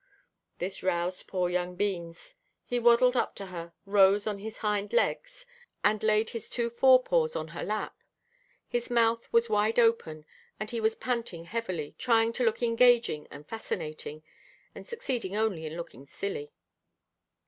This roused poor young Beans. He waddled up to her, rose on his hind legs, and laid his two forepaws on her lap. His mouth was wide open, and he was panting heavily, trying to look engaging and fascinating, and succeeding only in looking silly.